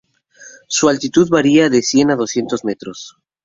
Su altitud varia de cien a doscientos metros.